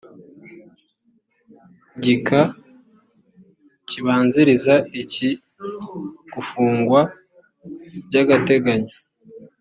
gika kibanziriza iki gufungwa by agateganyo